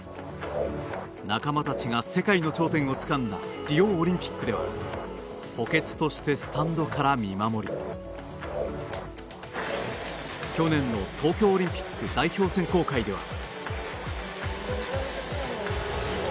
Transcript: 仲間たちが世界の頂点をつかんだリオオリンピックでは補欠としてスタンドから見守り去年の東京オリンピック代表選考会では。